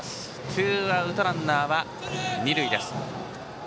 ツーアウトランナー、二塁です。